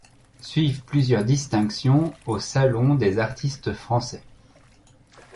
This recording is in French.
Suivent plusieurs distinctions au Salon des artistes français.